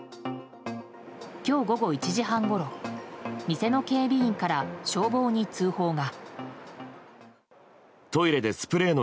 今日午後１時半ごろ店の警備員から消防に通報が。